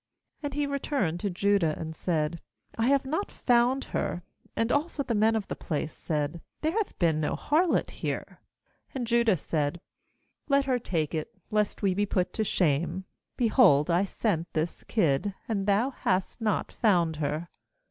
^And he returned to Judah, * Heb. Medamtea. 47 38,22 GENESIS and said* 'I have not found her: and also the men of the place said: There hath been no harlot here.' ^And Judah said: 'Let her take it, lest we be put to shame; behold, I sent this kid, and thou hast not found her.'